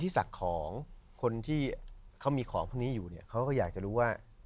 ศักดิ์ของคนที่เขามีของพวกนี้อยู่เนี่ยเขาก็อยากจะรู้ว่า